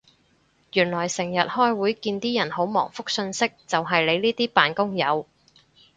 原來成日開會見啲人好忙覆訊息就係你呢啲扮工友